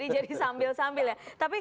jadi sambil sambil ya